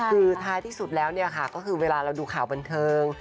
คือท้ายที่สุดแล้วเนี่ยค่ะก็คือเวลาเราดูข่าวบันเทิง